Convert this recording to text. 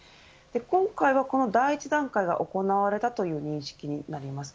今回はこの第１段階が行われたという認識です。